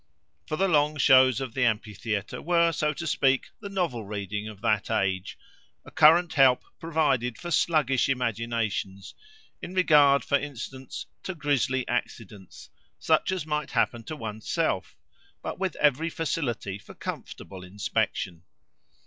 For the long shows of the amphitheatre were, so to speak, the novel reading of that age—a current help provided for sluggish imaginations, in regard, for instance, to grisly accidents, such as might happen to one's self; but with every facility for comfortable inspection.